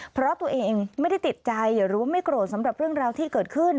เพราะตัวเองไม่ได้ติดใจหรือว่าไม่โกรธสำหรับเรื่องราวที่เกิดขึ้น